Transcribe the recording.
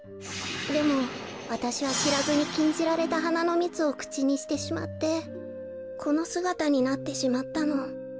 でもわたしはしらずにきんじられたはなのみつをくちにしてしまってこのすがたになってしまったの。